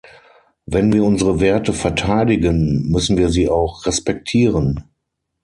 Wenn wir unsere Werte verteidigen, müssen wir sie auch respektieren.